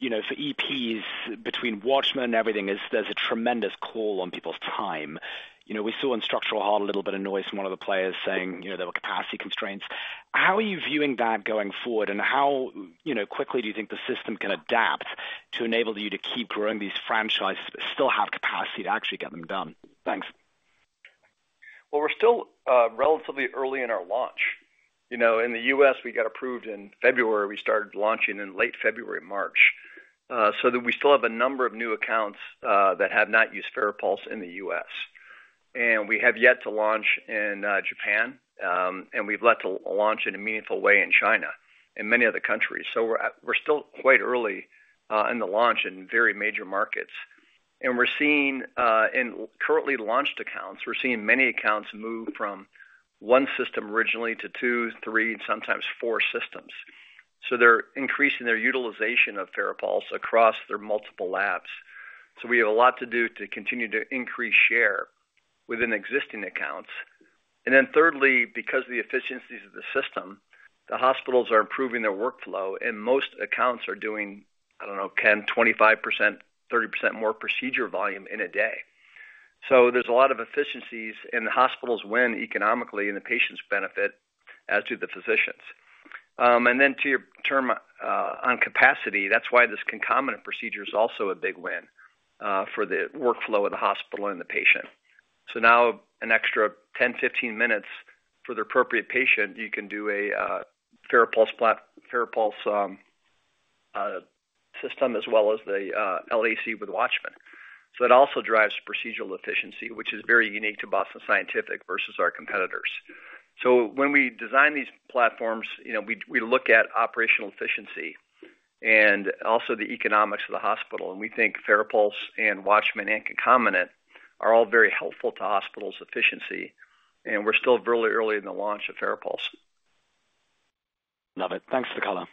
you know, for EPs, between WATCHMAN and everything, is there's a tremendous call on people's time. You know, we saw in structural heart, a little bit of noise from one of the players saying, you know, there were capacity constraints. How are you viewing that going forward? And how, you know, quickly do you think the system can adapt to enable you to keep growing these franchises, but still have capacity to actually get them done? Thanks. We're still relatively early in our launch. You know, in the U.S., we got approved in February. We started launching in late February, March, so we still have a number of new accounts that have not used FARAPULSE in the U.S. And we have yet to launch in Japan, and we've yet to launch in a meaningful way in China and many other countries. So we're still quite early in the launch in very major markets. And we're seeing in currently launched accounts many accounts move from one system originally to two, three, and sometimes four systems. So they're increasing their utilization of FARAPULSE across their multiple labs. So we have a lot to do to continue to increase share within existing accounts. And then thirdly, because of the efficiencies of the system, the hospitals are improving their workflow, and most accounts are doing, I don't know, Ken, 25%, 30% more procedure volume in a day. So there's a lot of efficiencies, and the hospitals win economically, and the patients benefit, as do the physicians. Then to your term on capacity, that's why this concomitant procedure is also a big win for the workflow of the hospital and the patient. So now an extra 10, 15 minutes for the appropriate patient, you can do a FARAPULSE system, as well as the LAAC with Watchman. So it also drives procedural efficiency, which is very unique to Boston Scientific versus our competitors. So when we design these platforms, you know, we look at operational efficiency and also the economics of the hospital, and we think FARAPULSE and WATCHMAN and concomitant are all very helpful to hospitals' efficiency, and we're still really early in the launch of FARAPULSE. Love it. Thanks for the color.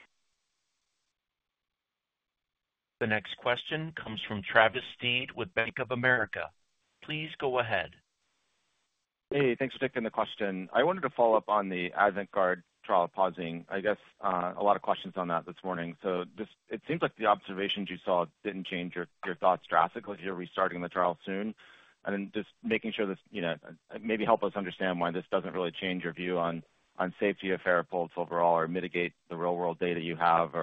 The next question comes from Travis Steed with Bank of America. Please go ahead. Hey, thanks for taking the question. I wanted to follow up on the AVANT GUARD trial pausing. I guess, a lot of questions on that this morning. So just, it seems like the observations you saw didn't change your, your thoughts drastically, you're restarting the trial soon. And then just making sure this, you know, maybe help us understand why this doesn't really change your view on, on safety of FARAPULSE overall or mitigate the real-world data you have,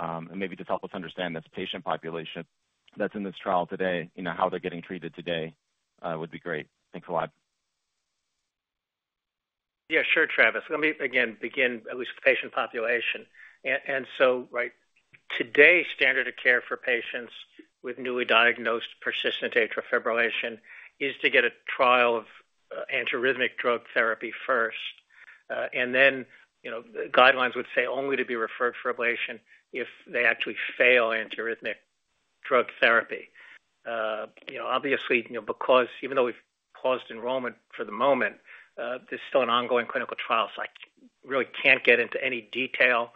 or, and maybe just help us understand this patient population that's in this trial today, you know, how they're getting treated today, would be great. Thanks a lot. Yeah, sure, Travis. Let me again begin at least with the patient population. And so like today, standard of care for patients with newly diagnosed persistent atrial fibrillation is to get a trial of antiarrhythmic drug therapy first. And then, you know, the guidelines would say only to be referred for ablation if they actually fail antiarrhythmic drug therapy. You know, obviously, you know, because even though we've paused enrollment for the moment, there's still an ongoing clinical trial, so I really can't get into any detail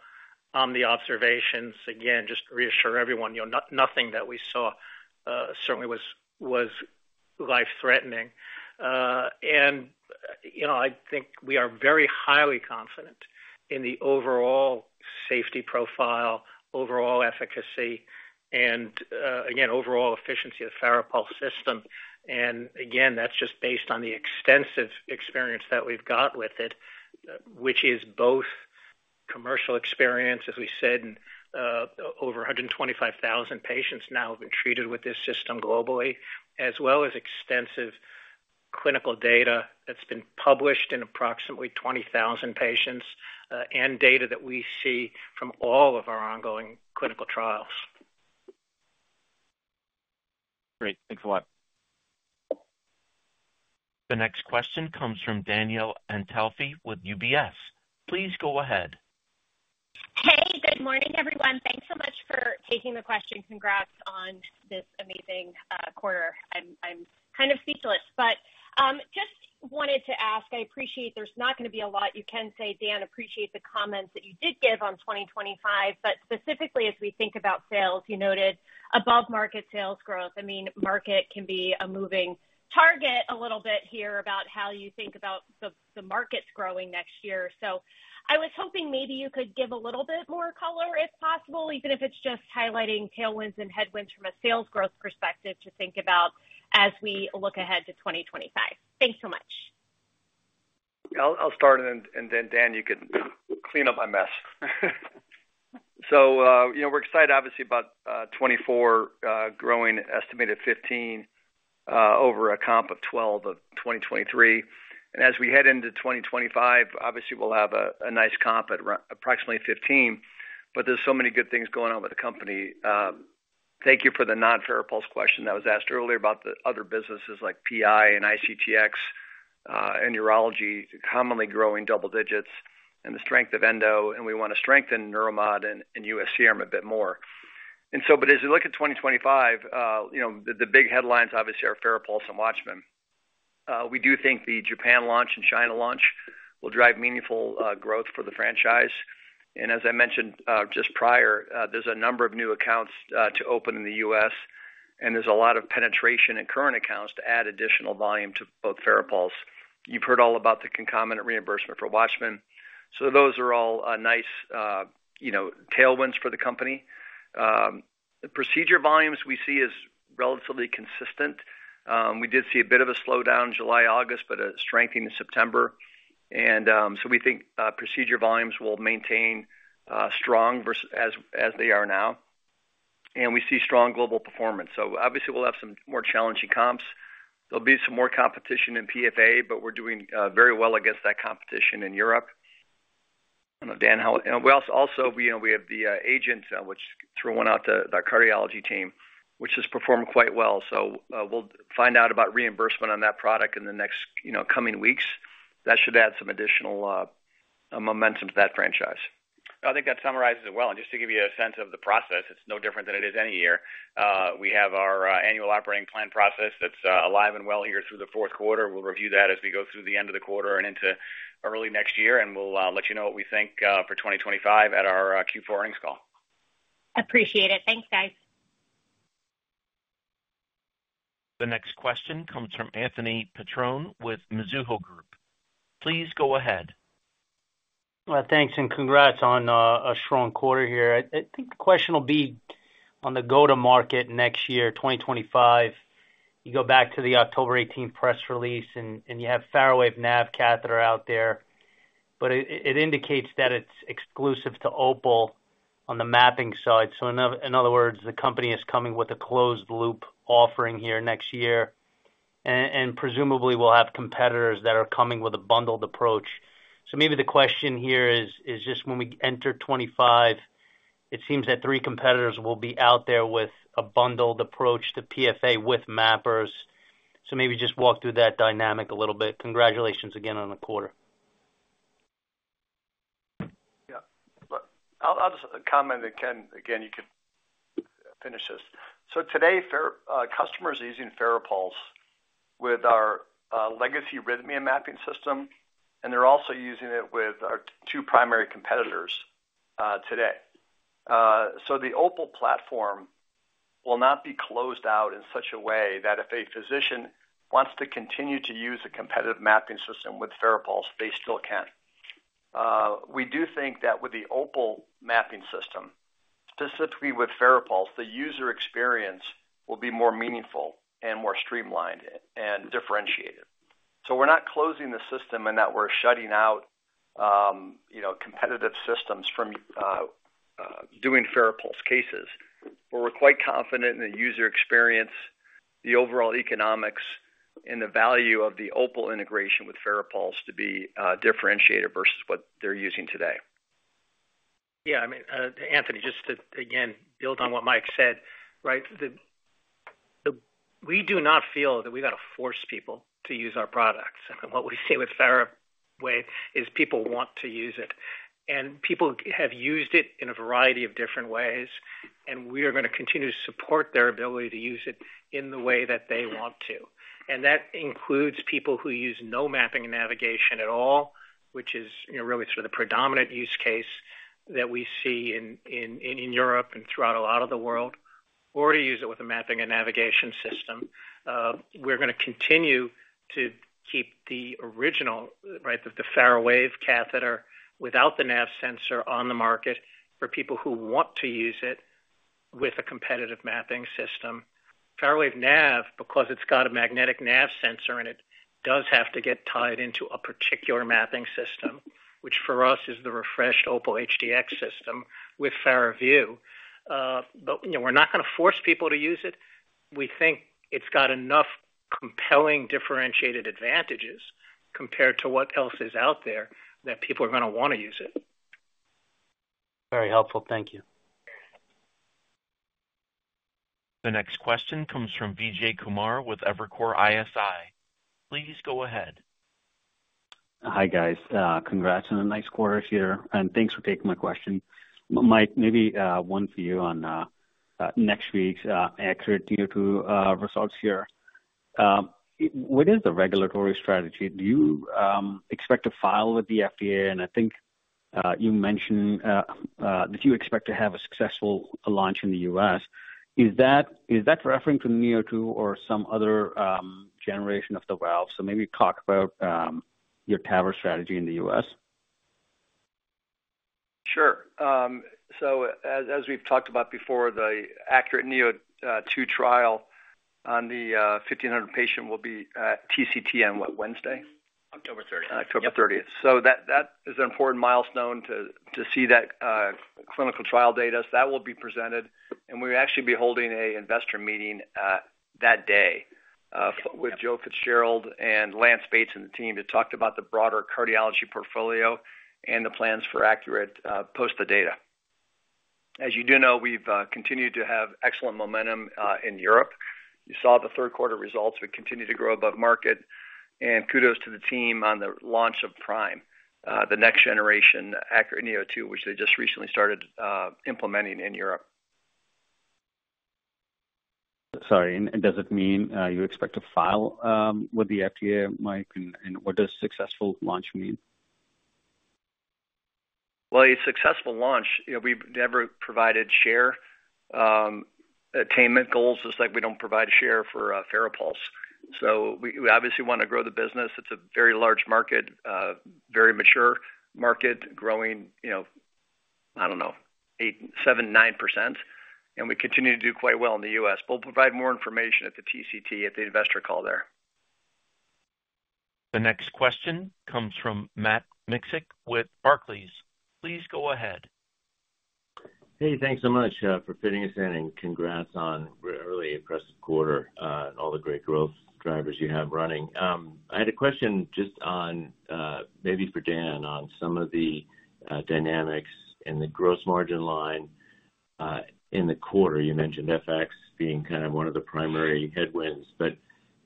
on the observations. Again, just to reassure everyone, you know, nothing that we saw certainly was life-threatening. You know, I think we are very highly confident in the overall safety profile, overall efficacy, and again, overall efficiency of the FARAPULSE system. And again, that's just based on the extensive experience that we've got with it, which is both commercial experience, as we said, and over 125,000 patients now have been treated with this system globally, as well as extensive clinical data that's been published in approximately 20,000 patients, and data that we see from all of our ongoing clinical trials. Great. Thanks a lot. The next question comes from Danielle Antalffy with UBS. Please go ahead. Hey, good morning, everyone. Thanks so much for taking the question. Congrats on this amazing quarter. I'm kind of speechless, but just wanted to ask. I appreciate there's not gonna be a lot you can say, Dan. I appreciate the comments that you did give on 2025, but specifically as we think about sales, you noted above-market sales growth. I mean, market can be a moving target a little bit here about how you think about the markets growing next year. So I was hoping maybe you could give a little bit more color, if possible, even if it's just highlighting tailwinds and headwinds from a sales growth perspective to think about as we look ahead to 2025. Thanks so much. I'll start and then, Dan, you can clean up my mess. So, you know, we're excited obviously about 2024, growing an estimated 15% over a comp of 12% of 2023. And as we head into 2025, obviously we'll have a nice comp at around approximately 15%, but there's so many good things going on with the company. Thank you for the non-FARAPULSE question that was asked earlier about the other businesses like PI and ICTX, and urology, continuing growing double digits and the strength of endo, and we want to strengthen Neuromod and U.S. CRM a bit more. And so, but as you look at 2025, you know, the big headlines obviously are FARAPULSE and WATCHMAN. We do think the Japan launch and China launch will drive meaningful growth for the franchise. As I mentioned just prior, there's a number of new accounts to open in the U.S., and there's a lot of penetration in current accounts to add additional volume to both FARAPULSE. You've heard all about the concomitant reimbursement for WATCHMAN. Those are all a nice, you know, tailwinds for the company. The procedure volumes we see is relatively consistent. We did see a bit of a slowdown July, August, but a strengthening in September. Procedure volumes will maintain strong versus as they are now, and we see strong global performance. Obviously, we'll have some more challenging comps. There'll be some more competition in PFA, but we're doing very well against that competition in Europe. I don't know, Dan, how... We also have the AGENT, which we rolled out to our cardiology team, which has performed quite well. We'll find out about reimbursement on that product in the next, you know, coming weeks. That should add some additional momentum to that franchise. I think that summarizes it well. And just to give you a sense of the process, it's no different than it is any year. We have our annual operating plan process that's alive and well here through the fourth quarter. We'll review that as we go through the end of the quarter and into early next year, and we'll let you know what we think for 2025 at our Q4 earnings call. Appreciate it. Thanks, guys. The next question comes from Anthony Petrone with Mizuho Group. Please go ahead. Thanks, and congrats on a strong quarter here. I think the question will be on the go-to-market next year, 2025. You go back to the October 18th press release, and you have FARAWAVE NAV catheter out there, but it indicates that it's exclusive to Opal on the mapping side. So in other words, the company is coming with a closed loop offering here next year, and presumably we'll have competitors that are coming with a bundled approach. So maybe the question here is just when we enter 2025, it seems that three competitors will be out there with a bundled approach to PFA with mappers. So maybe just walk through that dynamic a little bit. Congratulations again on the quarter. Yeah. Look, I'll just comment, and Ken, again, you can finish this. So today, FARAPULSE customers are using FARAPULSE with our legacy RHYTHMIA mapping system, and they're also using it with our two primary competitors today. So the Opal platform will not be closed out in such a way that if a physician wants to continue to use a competitive mapping system with FARAPULSE, they still can. We do think that with the Opal mapping system, specifically with FARAPULSE, the user experience will be more meaningful and more streamlined and differentiated. So we're not closing the system and that we're shutting out, you know, competitive systems from doing FARAPULSE cases, but we're quite confident in the user experience, the overall economics and the value of the Opal integration with FARAPULSE to be differentiated versus what they're using today. Yeah, I mean, Anthony, just to, again, build on what Mike said, right? We do not feel that we've got to force people to use our products. What we see with FARAWAVE is people want to use it, and people have used it in a variety of different ways, and we are gonna continue to support their ability to use it in the way that they want to. And that includes people who use no mapping and navigation at all, which is, you know, really sort of the predominant use case that we see in Europe and throughout a lot of the world, or to use it with a mapping and navigation system. We're going to continue to keep the original, right, the FARAWAVE catheter without the nav sensor on the market, for people who want to use it with a competitive mapping system. FARAWAVE NAV, because it's got a magnetic nav sensor and it does have to get tied into a particular mapping system, which for us is the refreshed Opal HDx system with FARAVIEW. But, you know, we're not going to force people to use it. We think it's got enough compelling, differentiated advantages compared to what else is out there, that people are going to want to use it. Very helpful. Thank you. The next question comes from Vijay Kumar with Evercore ISI. Please go ahead. Hi, guys. Congrats on a nice quarter here, and thanks for taking my question. Mike, maybe one for you on next week's ACURATE neo2 results here. What is the regulatory strategy? Do you expect to file with the FDA? And I think you mentioned that you expect to have a successful launch in the U.S. Is that referring to ACURATE neo2 or some other generation of the valve? So maybe talk about your TAVR strategy in the U.S. Sure, so as we've talked about before, the ACURATE neo2 trial on the 1,500 patient will be TCT on what, Wednesday? October 30th. October 30th. So that is an important milestone to see that clinical trial data. So that will be presented, and we'll actually be holding an investor meeting that day with Joe Fitzgerald and Lance Bates and the team, to talk about the broader cardiology portfolio and the plans for ACURATE post the data. As you do know, we've continued to have excellent momentum in Europe. You saw the third quarter results. We continue to grow above market. And kudos to the team on the launch of Prime, the next generation ACURATE neo2, which they just recently started implementing in Europe. Sorry, and does it mean you expect to file with the FDA, Mike, and what does successful launch mean? A successful launch, you know, we've never provided share attainment goals, just like we don't provide a share for FARAPULSE. So we obviously want to grow the business. It's a very large market, very mature market, growing 7%-9%, and we continue to do quite well in the U.S. We'll provide more information at the TCT, at the investor call there. The next question comes from Matt Miksic with Barclays. Please go ahead. Hey, thanks so much for fitting us in, and congrats on a really impressive quarter and all the great growth drivers you have running. I had a question just on, maybe for Dan, on some of the dynamics in the gross margin line in the quarter. You mentioned FX being kind of one of the primary headwinds, but,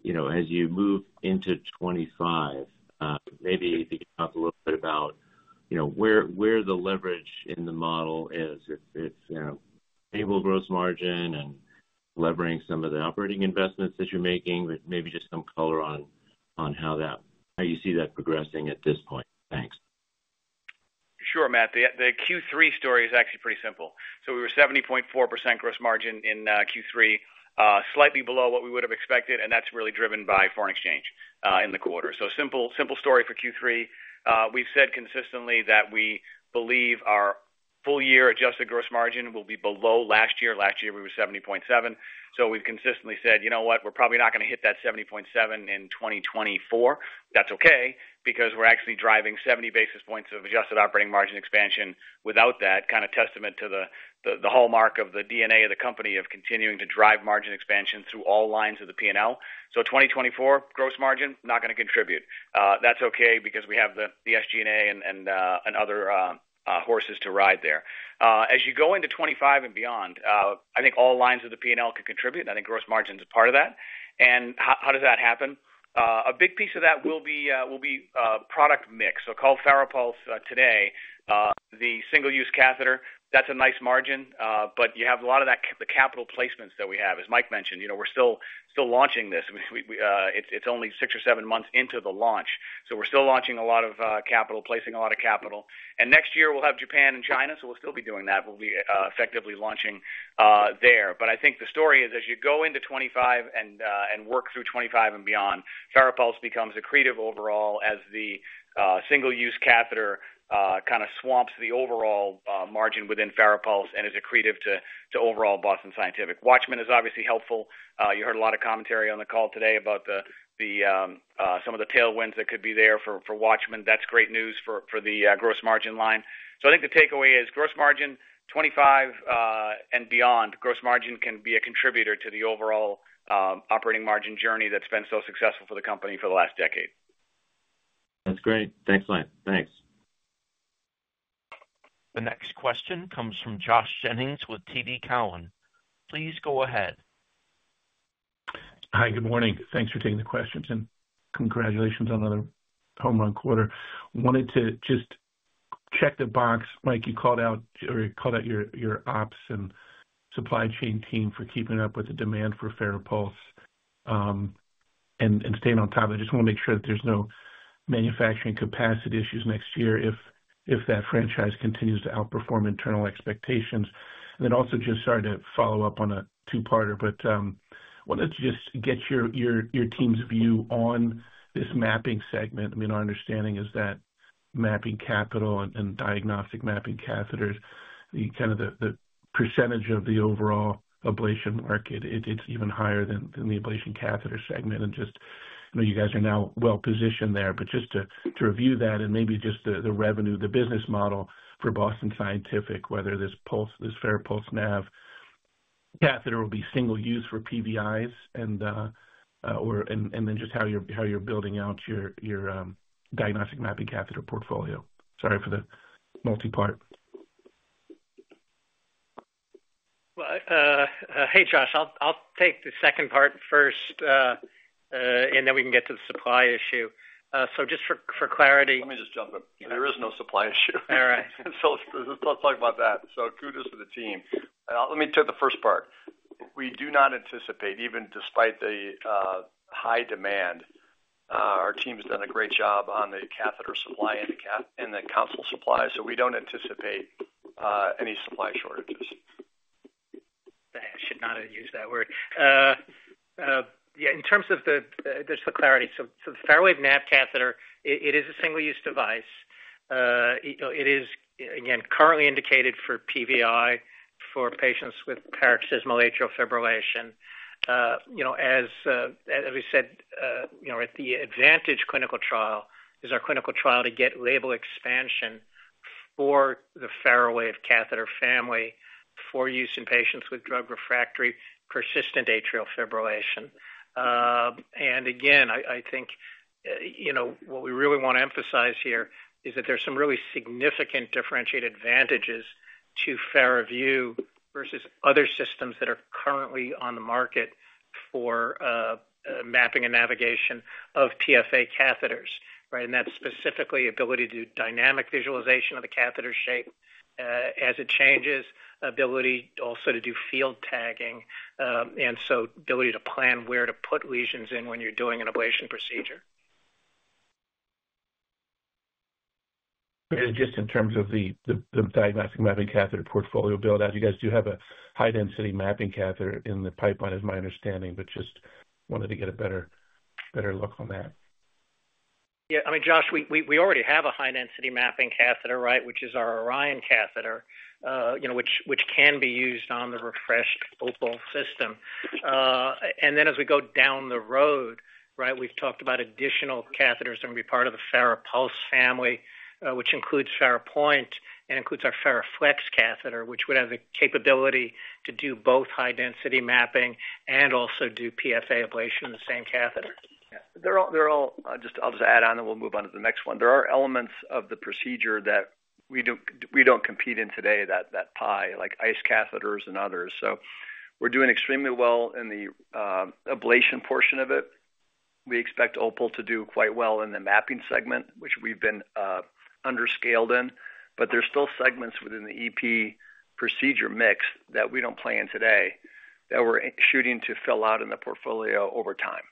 you know, as you move into 2025, maybe you can talk a little bit about, you know, where the leverage in the model is. If it's, you know, stable gross margin and leveraging some of the operating investments that you're making, maybe just some color on how you see that progressing at this point. Thanks. Sure, Matt. The Q3 story is actually pretty simple. So we were 70.4% gross margin in Q3, slightly below what we would have expected, and that's really driven by foreign exchange in the quarter. So simple story for Q3. We've said consistently that we believe our full year adjusted gross margin will be below last year. Last year, we were 70.7%. So we've consistently said: You know what? We're probably not going to hit that 70.7% in 2024. That's okay, because we're actually driving 70 basis points of adjusted operating margin expansion without that, kind of testament to the hallmark of the DNA of the company, of continuing to drive margin expansion through all lines of the P&L. So 2024 gross margin, not going to contribute. That's okay because we have the SG&A and other horses to ride there. As you go into 2025 and beyond, I think all lines of the P&L could contribute, and I think gross margin is a part of that. And how does that happen? A big piece of that will be product mix. So call FARAPULSE today, the single-use catheter, that's a nice margin, but you have a lot of that, the capital placements that we have. As Mike mentioned, you know, we're still launching this. I mean, we... it's only six or seven months into the launch, so we're still launching a lot of capital, placing a lot of capital. And next year, we'll have Japan and China, so we'll still be doing that. We'll be effectively launching there. But I think the story is as you go into 2025 and work through 2025 and beyond, FARAPULSE becomes accretive overall as the single-use catheter kind of swamps the overall margin within FARAPULSE and is accretive to overall Boston Scientific. WATCHMAN is obviously helpful. You heard a lot of commentary on the call today about some of the tailwinds that could be there for WATCHMAN. That's great news for the gross margin line. So I think the takeaway is gross margin 2025 and beyond, gross margin can be a contributor to the overall operating margin journey that's been so successful for the company for the last decade. That's great. Excellent. Thanks. The next question comes from Josh Jennings with TD Cowen. Please go ahead. Hi, good morning. Thanks for taking the questions, and congratulations on another home run quarter. Wanted to just check the box, Mike, you called out, or you called out your ops and supply chain team for keeping up with the demand for FARAPULSE, and staying on top of it. I just want to make sure that there's no manufacturing capacity issues next year if that franchise continues to outperform internal expectations. And then also just sorry to follow up on a two-parter, but wanted to just get your team's view on this mapping segment. I mean, our understanding is that mapping capital and diagnostic mapping catheters, kind of the percentage of the overall ablation market, it's even higher than the ablation catheter segment. Just, I know you guys are now well positioned there, but just to review that and maybe just the revenue, the business model for Boston Scientific, whether this FARAWAVE NAV catheter will be single use for PVIs and, or, and then just how you're building out your diagnostic mapping catheter portfolio? Sorry for the multi-part. Hey, Josh, I'll take the second part first, and then we can get to the supply issue. So just for clarity- Let me just jump in. There is no supply issue. All right. So let's talk about that. So kudos to the team. Let me take the first part. We do not anticipate, even despite the high demand, our team has done a great job on the catheter supply and the console supply, so we don't anticipate any supply shortages. I should not have used that word. Yeah, in terms of, just for clarity, so the FARAWAVE NAV catheter, it is a single-use device. It is, again, currently indicated for PVI, for patients with paroxysmal atrial fibrillation. You know, as we said, you know, at the ADVANTAGE clinical trial, is our clinical trial to get label expansion for the FARAWAVE catheter family for use in patients with drug-refractory persistent atrial fibrillation. And again, I think, you know, what we really want to emphasize here is that there's some really significant differentiated advantages to FARAVIEW versus other systems that are currently on the market for mapping and navigation of PFA catheters, right? That's specifically ability to do dynamic visualization of the catheter shape, as it changes, ability also to do field tagging, and so ability to plan where to put lesions in when you're doing an ablation procedure. Just in terms of the diagnostic mapping catheter portfolio build out, you guys do have a high-density mapping catheter in the pipeline, is my understanding, but just wanted to get a better look on that. Yeah. I mean, Josh, we already have a high-density mapping catheter, right, which is our Orion catheter, you know, which can be used on the refreshed Opal system. And then as we go down the road, right, we've talked about additional catheters that will be part of the FARAPULSE family, which includes FARAPOINT and includes our FARAFLEX catheter, which would have the capability to do both high density mapping and also do PFA ablation in the same catheter. Yeah. They're all... I'll just add on, and we'll move on to the next one. There are elements of the procedure that we don't compete in today, that pie, like ICE catheters and others. So we're doing extremely well in the ablation portion of it. We expect Opal to do quite well in the mapping segment, which we've been under-scaled in, but there's still segments within the EP procedure mix that we don't play in today, that we're shooting to fill out in the portfolio over time.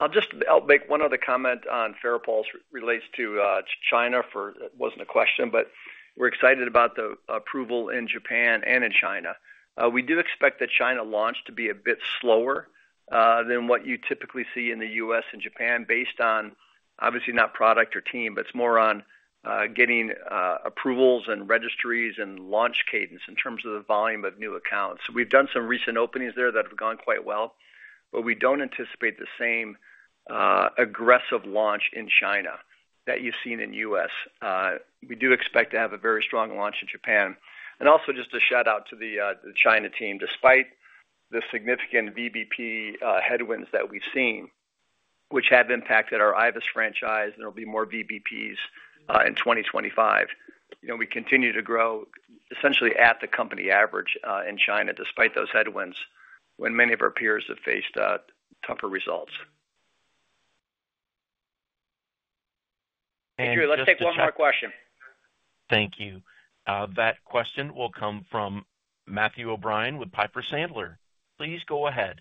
I'll just make one other comment on FARAPULSE, relates to China. It wasn't a question, but we're excited about the approval in Japan and in China. We do expect that China launch to be a bit slower than what you typically see in the U.S. and Japan based on obviously not product or team, but it's more on getting approvals and registries and launch cadence in terms of the volume of new accounts. We've done some recent openings there that have gone quite well, but we don't anticipate the same aggressive launch in China that you've seen in U.S. We do expect to have a very strong launch in Japan. And also just a shout-out to the China team. Despite the significant VBP headwinds that we've seen, which have impacted our IVUS franchise, there will be more VBPs in 2025. You know, we continue to grow essentially at the company average, in China, despite those headwinds, when many of our peers have faced, tougher results. Hey, Drew, let's take one more question. Thank you. That question will come from Matthew O'Brien with Piper Sandler. Please go ahead.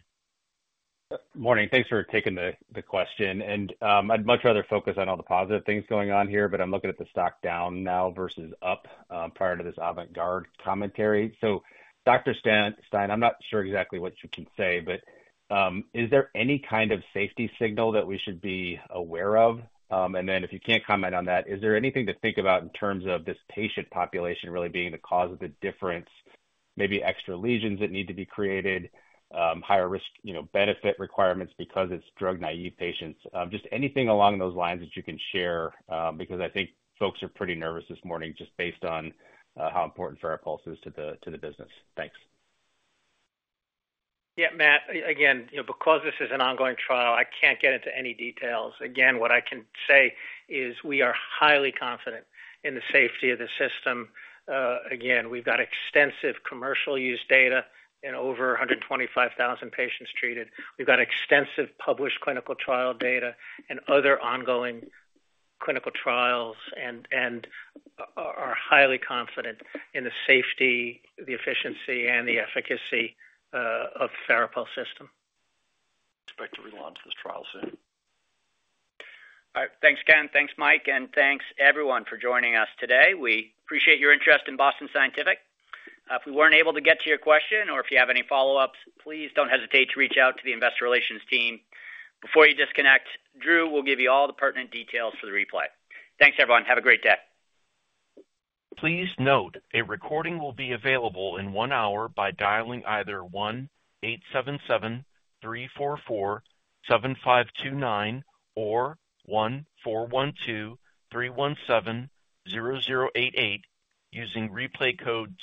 Morning. Thanks for taking the question, and I'd much rather focus on all the positive things going on here, but I'm looking at the stock down now versus up, prior to this AVANT GUARD commentary, so Dr. Stein, I'm not sure exactly what you can say, but, is there any kind of safety signal that we should be aware of? And then if you can't comment on that, is there anything to think about in terms of this patient population really being the cause of the difference, maybe extra lesions that need to be created, higher risk, you know, benefit requirements because it's drug-naive patients? Just anything along those lines that you can share, because I think folks are pretty nervous this morning just based on how important FARAPULSE is to the business. Thanks. Yeah, Matt, again, you know, because this is an ongoing trial, I can't get into any details. Again, what I can say is we are highly confident in the safety of the system. Again, we've got extensive commercial use data in over 125,000 patients treated. We've got extensive published clinical trial data and other ongoing clinical trials and are highly confident in the safety, the efficiency, and the efficacy of FARAPULSE system. Expect to relaunch this trial soon. All right. Thanks, Ken. Thanks, Mike, and thanks everyone for joining us today. We appreciate your interest in Boston Scientific. If we weren't able to get to your question or if you have any follow-ups, please don't hesitate to reach out to the investor relations team. Before you disconnect, Drew will give you all the pertinent details for the replay. Thanks, everyone. Have a great day. Please note, a recording will be available in one hour by dialing either 1-877-344-7529 or 1-412-317-0088, using replay code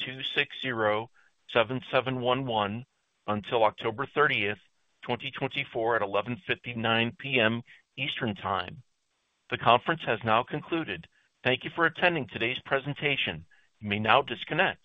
260-7711, until October 30th 2024 at 11:59 P.M. Eastern Time. The conference has now concluded. Thank you for attending today's presentation. You may now disconnect.